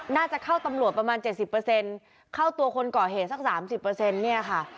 น่าจะเข้าตำรวจประมาณเจ็ดสิบเปอร์เซ็นต์เข้าตัวคนก่อเหตุสักสามสิบเปอร์เซ็นต์เนี่ยค่ะ